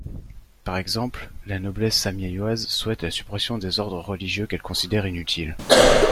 Par exemple, la Noblesse sammielloise souhaite la suppression des ordres religieux qu'elle considère inutiles.